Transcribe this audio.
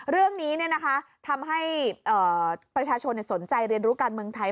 เรื่องนี้เนี้ยนะคะทำให้เอ่อประชาชนเนี้ยสนใจเรียนรู้การเมืองไทย